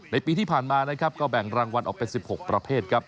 ปีที่ผ่านมานะครับก็แบ่งรางวัลออกเป็น๑๖ประเภทครับ